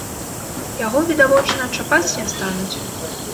Яго, відавочна, чапаць не стануць.